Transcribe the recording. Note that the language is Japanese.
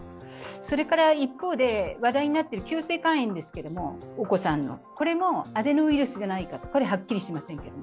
それから一方で話題になっているお子さんの急性肝炎ですけれどもこれもアデノウイルスじゃないか、これははっきりしませんが。